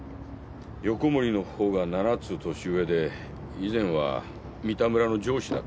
横森の方が７つ年上で以前は三田村の上司だったんです。